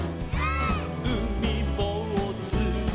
「うみぼうず」「」